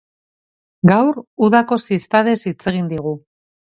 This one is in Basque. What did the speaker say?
Gaur, udako ziztadez hitz egin digu.